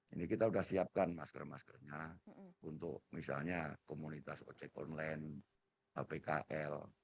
ini kita sudah siapkan masker maskernya untuk misalnya komunitas ojek online pkl